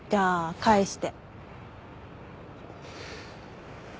返して！